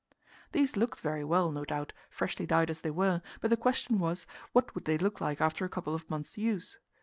These looked very well, no doubt, freshly dyed as they were, but the question was, What would they look like after a couple of months' use?